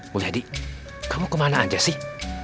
mulyadi kamu kemana aja sih